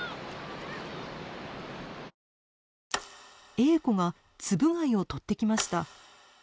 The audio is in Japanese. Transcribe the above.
エーコがツブ貝をとってきました。